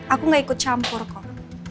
aku gak ikut campur kok